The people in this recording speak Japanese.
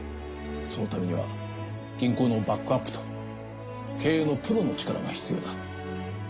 そのためには銀行のバックアップと経営のプロの力が必要だ。